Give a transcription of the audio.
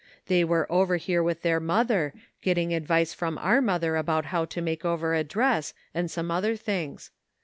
They were over here with their mother, getting advice from our mother about how to make over a dress, and some other things.